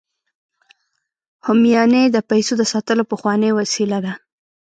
همیانۍ د پیسو د ساتلو پخوانۍ وسیله ده